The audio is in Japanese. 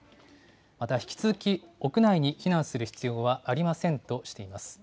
また引き続き、屋内に避難する必要はありませんとしています。